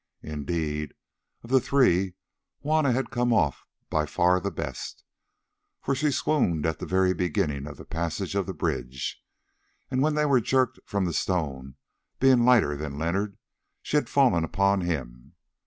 Indeed, of the three Juanna had come off by far the best, for she swooned at the very beginning of the passage of the bridge, and when they were jerked from the stone, being lighter than Leonard, she had fallen upon him.